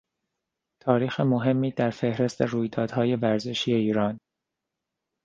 تاریخ مهمی در فهرست رویدادهای ورزشی ایران